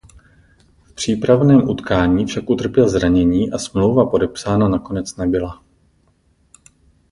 V přípravném utkání však utrpěl zranění a smlouva podepsaná nakonec nebyla.